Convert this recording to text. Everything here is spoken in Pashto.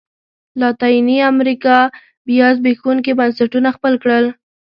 لاتینې امریکا بیا زبېښونکي بنسټونه خپل کړل.